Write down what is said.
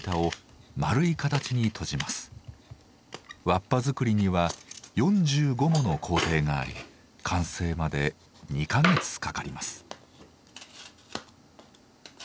わっぱ作りには４５もの工程があり完成まで２か月かかります。